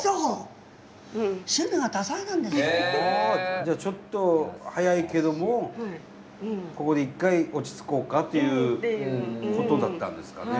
じゃあちょっと早いけどもここで一回落ち着こうかということだったんですかね。